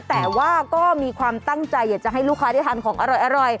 แต่ว่าก็มีความตั้งใจอยากจะให้ลูกค้าได้ทานของอร่อย